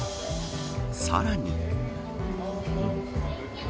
さらに。